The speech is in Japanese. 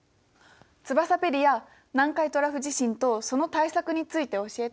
ツバサペディア南海トラフ地震とその対策について教えて！